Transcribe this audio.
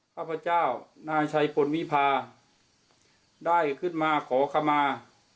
ข้าพเจ้านายชัยพลวิพาได้ขึ้นมาขอขมา